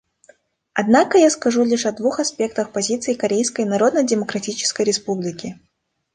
Однако я скажу лишь о двух аспектах позиции Корейской Народно-Демократической Республики.